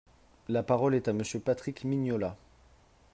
La parole est à Monsieur Patrick Mignola.